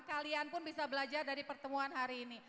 kalian pun bisa belajar dari pertemuan hari ini